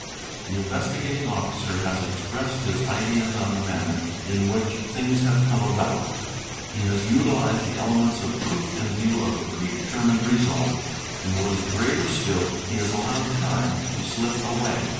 The Investigating Officer has expressed his ideas on the manner in which things have come about, he has utilised the elements of proof in view of a predetermined result, and, what is graver still, he has allowed time to slip away.